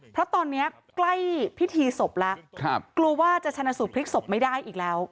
เพราะตอนนี้ใกล้พิธีศพแล้วกลัวว่าจะชนะสูตพลิกศพไม่ได้อีกแล้ว